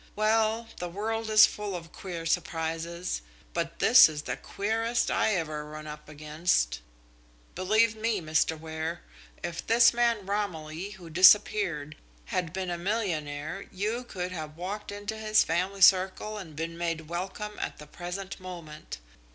Well, the world is full of queer surprises, but this is the queerest I ever ran up against. Believe me, Mr. Ware, if this man Romilly who disappeared had been a millionaire, you could have walked into his family circle and been made welcome at the present moment.